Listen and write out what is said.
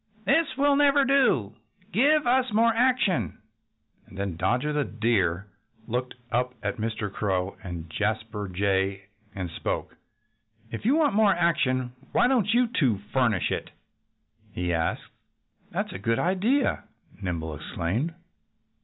"This will never do. Give us more action!" And then Dodger the Deer looked up at Mr. Crow and Jasper Jay and spoke. "If you want more action why don't you two furnish it?" he asked. "That's a good idea!" Nimble exclaimed.